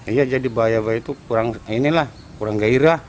iya jadi buaya buaya itu kurang ini lah kurang gairah